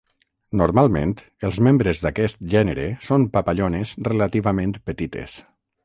Normalment els membres d'aquest gènere són papallones relativament petites.